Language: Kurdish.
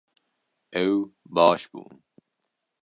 Ew baş bûn